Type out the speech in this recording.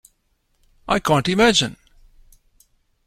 I can't imagine.